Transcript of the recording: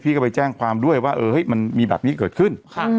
ก็ไปแจ้งความด้วยว่ามันมีแบบนี้เกิดขึ้น